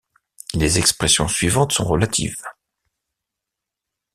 Les expressions suivantes sont relatives.